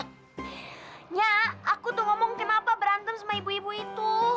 hanya aku tuh ngomong kenapa berantem sama ibu ibu itu